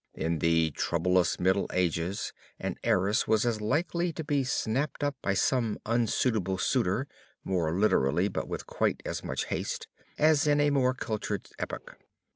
In the troublous Middle Ages an heiress was as likely to be snapped up by some unsuitable suitor, more literally but with quite as much haste, as in a more cultured epoch.